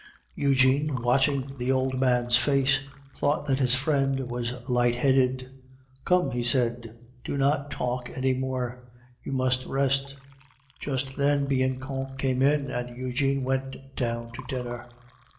Eugene, watching the old man's face, thought that his friend was light headed. "Come," he said, "do not talk any more, you must rest " Just then Bianchon came up, and Eugene went down to dinner.